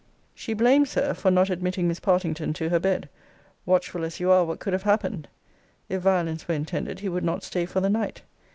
She blames her, for 'not admitting Miss Partington to her bed watchful, as you are, what could have happened? If violence were intended, he would not stay for the night.'